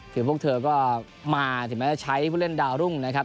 ถึงพวกคุณพวกเธอก็มาใช้เล่นดาวรุ้งนะครับ